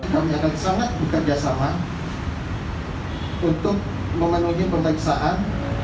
kami akan bersama sama untuk memenuhi pemeriksaan